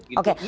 oke mas sofyan